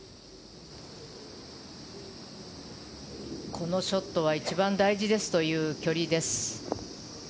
このショットは一番大事ですという距離です。